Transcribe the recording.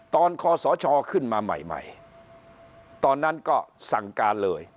คอสชขึ้นมาใหม่ตอนนั้นก็สั่งการเลย